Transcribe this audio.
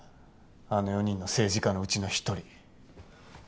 あの４人の政治家のうちのひとり。